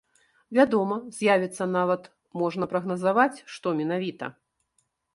Вядома, з'явіцца, нават можна прагназаваць, што менавіта.